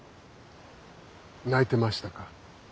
泣いてましたか。